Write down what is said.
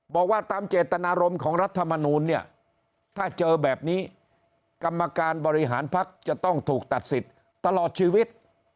บอกว่าตามเจตนารมณ์ของรัฐมนูลเนี่ยถ้าเจอแบบนี้กรรมการบริหารภักดิ์จะต้องถูกตัดสิทธิ์ตลอดชีวิต